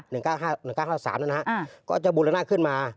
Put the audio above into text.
๑๙๕๓นั้นนะก็จะบูรณาขึ้นมา